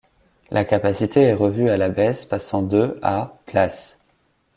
La capacité est revue à la baisse passant de à places.